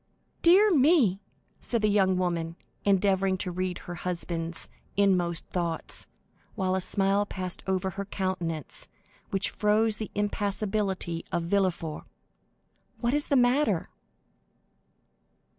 "Dear me!" said the young woman, endeavoring to read her husband's inmost thoughts, while a smile passed over her countenance which froze the impassibility of Villefort; "what is the matter?"